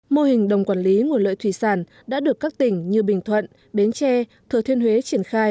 mô hình đồng quản lý nguồn lợi thủy sản đã được các tỉnh như bình thuận bến tre thừa thiên huế triển khai